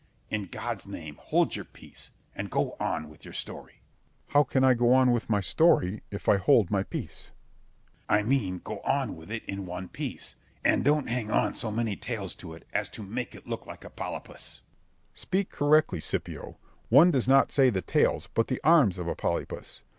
In God's name, hold your peace, and go on with your story. Berg. How can I go on with my story, if I hold my peace? Scip. I mean go on with it in one piece, and don't hang on so many tails to it as to make it look like a polypus. Berg. Speak correctly, Scipio: one does not say the tails but the arms of a polypus.